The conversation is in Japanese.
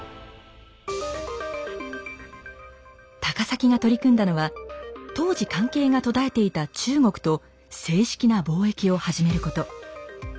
高碕が取り組んだのは当時関係が途絶えていた中国と正式な貿易を始めること。